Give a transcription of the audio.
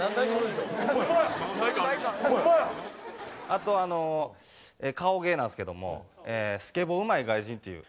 あとあの顔芸なんですけどもスケボーうまい外国人っていう。